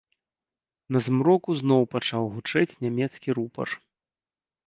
На змроку зноў пачаў гучэць нямецкі рупар.